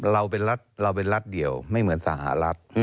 เราเป็นรัฐเดียวไม่เหมือนสหรัฐ